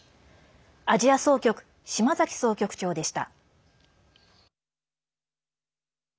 アジア総局、島崎総局長でした。